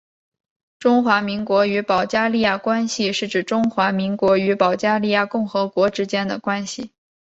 中华民国与保加利亚关系是指中华民国与保加利亚共和国之间的关系。